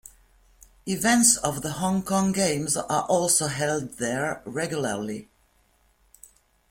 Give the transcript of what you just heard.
Events of the Hong Kong Games are also held there regularly.